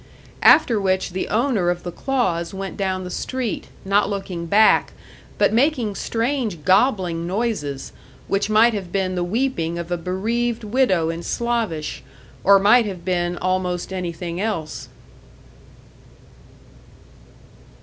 After which the owner of the claws went down the street, not looking back, but making strange gobbling noises, which might have been the weeping of a bereaved widow in Slavish, or might have been almost anything else.